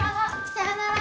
さよなら。